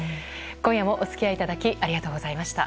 今夜もお付き合いいただきありがとうございました。